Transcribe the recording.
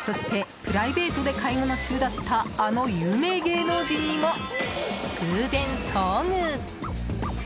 そして、プライベートで買い物中だったあの有名芸能人にも偶然遭遇！